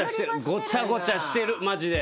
ごちゃごちゃしてるマジで。